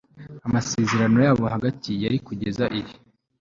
amasezerano yabo hagati ya kugeza iri